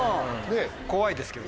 怖いですけど。